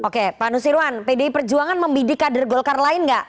oke pak nusirwan pdi perjuangan membidik kader golkar lain nggak